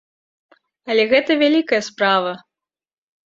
Але гэта вялікая справа.